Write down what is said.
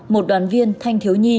một đoàn viên thanh thiếu nhi